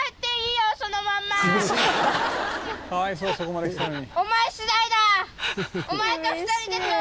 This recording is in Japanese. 「かわいそうそこまで来てるのに」